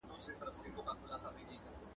مهرباني وکړئ تر فراغت وروسته ګټور کتاب خپور کړئ.